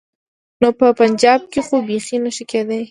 نو په پنجاب کې خو بيخي نه شي کېدای.